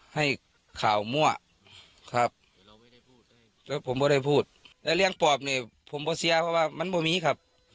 ให้ข่าวมั่วครับแล้วผมไม่ได้พูดแล้วเลี้ยงปอบเนี่ยผมก็เสียเพราะว่ามันบ่มีครับ